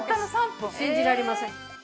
信じられません。